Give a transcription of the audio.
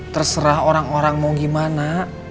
terserah orang orang mau gimana